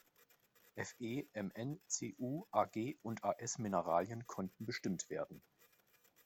Fe-, Mn-, Cu-, Ag- und As-Mineralien konnten bestimmt werden.